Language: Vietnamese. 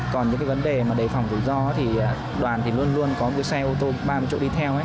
còn những cái vấn đề mà đề phòng rủi ro thì đoàn thì luôn luôn có một cái xe ô tô ba mươi chỗ đi theo